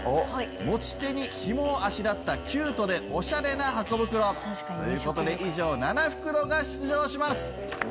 持ち手に紐をあしらったキュートでおしゃれなハコ袋。という事で以上７袋が出場します！